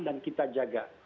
dan kita jaga